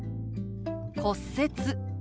「骨折」。